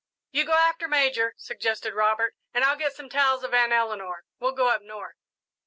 "You go after Major," suggested Robert, "and I'll get some towels of Aunt Eleanor. We'll go up north."